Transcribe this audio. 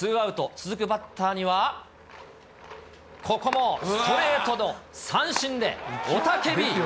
続くバッターには、ここもストレートの三振で、雄たけび。